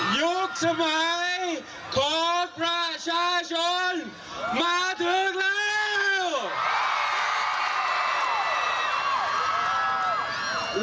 ยุคสมัยของประชาชนมาถึงแล้ว